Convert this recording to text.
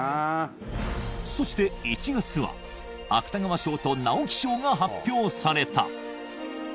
そして１月は芥川賞と直木賞が発表された。